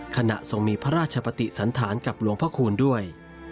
ทรงมีพระราชปฏิสันธารกับหลวงพระคูณด้วย